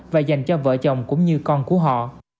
và dành cho vợ chồng cũng như con của họ